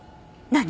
何？